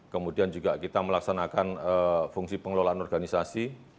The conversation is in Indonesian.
kemudian juga kita melaksanakan fungsi pengelolaan organisasi